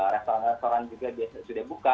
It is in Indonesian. restoran restoran juga sudah buka